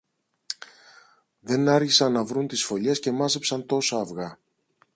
Δεν άργησαν να βρουν τις φωλιές και μάζεψαν τόσα αυγά